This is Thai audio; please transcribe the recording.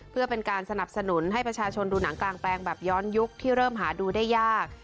เพื่อเป็นการสนับสนุนให้ประชาชนดูหนังกลางแปลงแบบย้อนยุคที่เริ่มหาดูได้ยาก